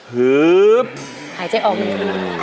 หายใจออกหนึ่ง